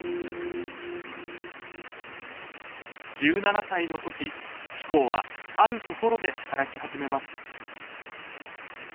１７歳の時志功はあるところで働き始めます。